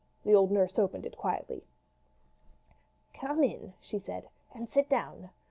The old nurse opened it quietly. "Come in," she said, "and sit down.